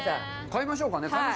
買いましょうかね。